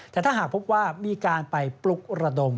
แต่ถ้าหากพบว่ามีการไปปลุกระดม